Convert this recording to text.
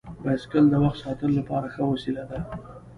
بایسکل د وخت ساتلو لپاره ښه وسیله ده.